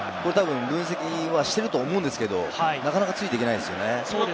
分析はしてると思うんですけど、なかなかついて行けないですよね。